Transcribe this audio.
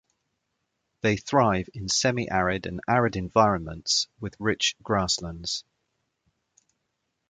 They thrive in semiarid and arid environments with rich grasslands.